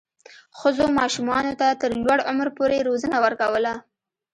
ښځو ماشومانو ته تر لوړ عمر پورې روزنه ورکوله.